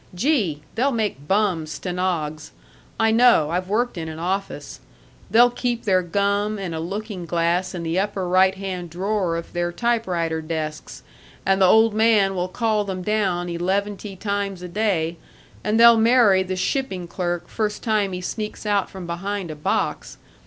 Gee! they'll make bum stenogs. I know. I've worked in an office. They'll keep their gum and a looking glass in the upper right hand drawer of their typewriter desks, and the old man will call them down eleventy times a day, and they'll marry the shipping clerk first time he sneaks out from behind a box.